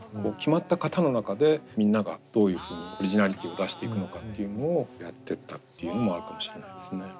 決まった型の中でみんながどういうふうにオリジナリティーを出していくのかっていうのをやってったっていうのもあるかもしれないですね。